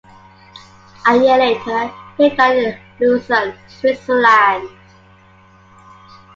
A year later, he died in Lucerne, Switzerland.